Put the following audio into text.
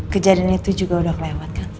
kejadian itu juga udah kelewat kan